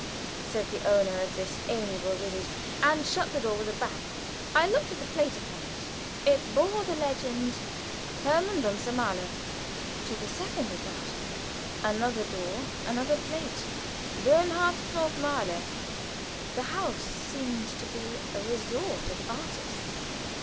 said the owner of this amiable visage, and shut the door with a bang. I looked at the plate upon it; it bore the legend, "Hermann Duntze, Maler." To the second étage. Another door another plate: "Bernhardt Knoop, Maler." The house seemed to be a resort of artists.